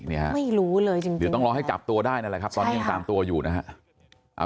ไม่รู้เลยจริงเดี๋ยวต้องรอให้จับตัวได้นั่นแหละครับตอนนี้ยังตามตัวอยู่นะฮะ